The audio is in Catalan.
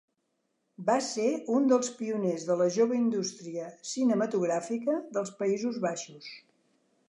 Va ser un dels pioners de la jove indústria cinematogràfica dels Països Baixos.